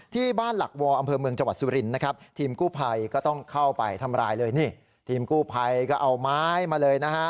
ที่บ้านหลักวออำเภอเมืองจังหวัดสุรินนะครับทีมกู้ภัยก็ต้องเข้าไปทำร้ายเลยนี่ทีมกู้ภัยก็เอาไม้มาเลยนะฮะ